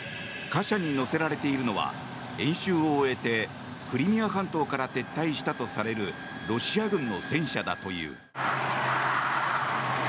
貨車に載せられているのは演習を終えてクリミア半島から撤退したとされるロシア軍の戦車だという。